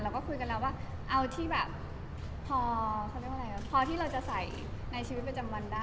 เราก็คุยกันแล้วว่าเอาที่แบบพอที่เราจะใส่ในชีวิตประจำวันได้